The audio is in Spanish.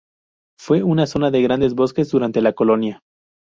Fue una zona de grandes bosques durante la Colonia.